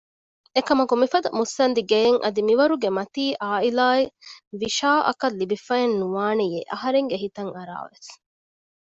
އެކަމަކު މިފަދަ މުއްސަނދި ގެޔެއް އަދި މިވަރުގެ މަތީ އާއިލާއެއް ވިޝާއަކަށް ލިބިފައެއް ނުވާނެޔޭ އަހަރެންގެ ހިތަށް އަރާވެސް